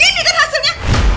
ini kan hasilnya